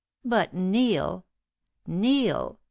But Neil Neil!"